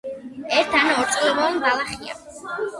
ერთ ან ორწლოვანი ბალახია.